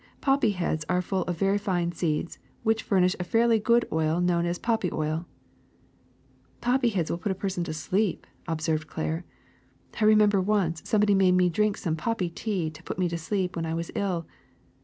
^'Poppy heads are full of very fine seeds which furnish a fairly good oil known as poppy oil.'* *' Poppy heads will put a person to sleep," ob served Claire. ''I remember once somebody made me drink some poppy tea to put me to sleep when I was ill.